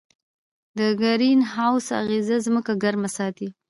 د ګرین هاوس اغېز ځمکه ګرمه ساتي.